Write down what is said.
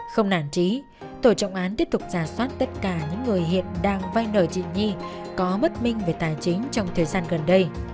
không nản trí tổ trọng án tiếp tục giả soát tất cả những người hiện đang vay nợ chị nhi có mất minh về tài chính trong thời gian gần đây